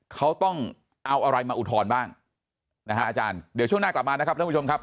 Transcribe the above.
เขาต้องเอาอะไรมาอุทธรณ์บ้างนะฮะอาจารย์เดี๋ยวช่วงหน้ากลับมานะครับท่านผู้ชมครับ